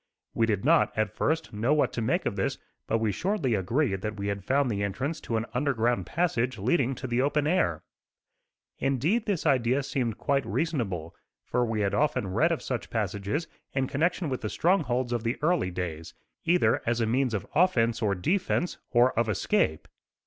We did not, at first, know what to make of this, but we shortly agreed that we had found the entrance to an underground passage leading to the open air. Indeed this idea seemed quite reasonable, for we had often read of such passages in connection with the strongholds of the early days; either as a means of offence or defence, or of escape.